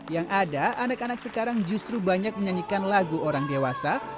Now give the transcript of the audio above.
yang ada anak anak sekarang justru banyak menyanyikan lagu orang dewasa